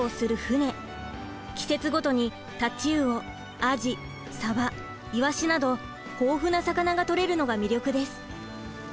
季節ごとに太刀魚アジサバイワシなど豊富な魚が取れるのが魅力です。